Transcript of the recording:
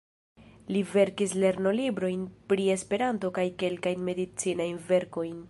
Li verkis lernolibrojn pri Esperanto kaj kelkajn medicinajn verkojn.